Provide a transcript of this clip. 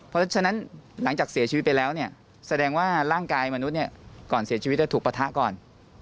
เพราะฉะนั้นหลังจากเสียชีวิตไปแล้วเนี่ยแสดงว่าร่างกายมนุษย์ก่อนเสียชีวิตจะถูกปะทะก่อน